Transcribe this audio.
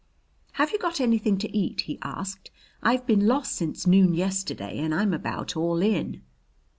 "Have you got anything to eat?" he asked. "I've been lost since noon yesterday and I'm about all in."